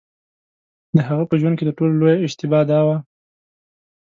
د هغه په ژوند کې تر ټولو لویه اشتباه دا وه.